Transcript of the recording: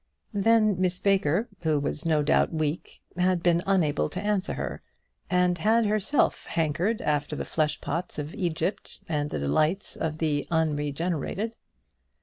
Then Miss Baker, who was no doubt weak, had been unable to answer her, and had herself hankered after the flesh pots of Egypt and the delights of the unregenerated.